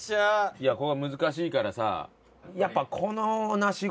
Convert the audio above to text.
いやここは難しいからさ。